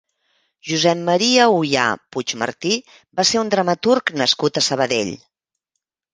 Josep Maria Uyà Puigmartí va ser un dramaturg nascut a Sabadell.